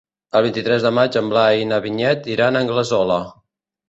El vint-i-tres de maig en Blai i na Vinyet iran a Anglesola.